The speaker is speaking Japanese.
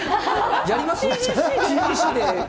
やります？